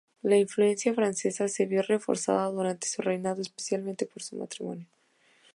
La influencia francesa se vio reforzada durante su reinado, especialmente por su matrimonio.